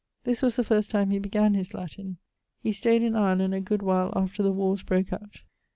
This was the first time he began his Latin. He stayed in Ireland a good while after the warres broke out.